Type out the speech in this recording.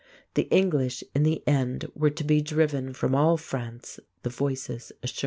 The English in the end were to be driven from all France, the Voices assured her.